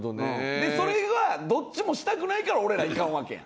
でそれはどっちもしたくないから俺らいかんわけやん。